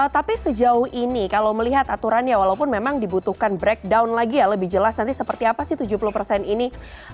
tapi sejauh ini kalau melihat aturannya walaupun memang dibutuhkan breakdown lagi ya lebih jelas nanti seperti apa sih tujuh puluh persen ini